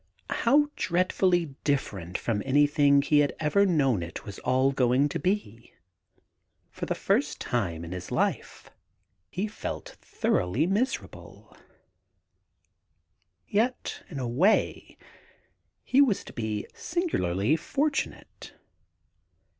How dreadfully different from anything he had ever known it was all going to be I For the first time in his life he felt thoroughly miserable. 14 THE GARDEN GOD Yet, in a way, he was to be singularly fortunate.